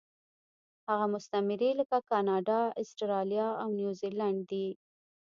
هغه مستعمرې لکه کاناډا، اسټرالیا او نیوزیلینډ دي.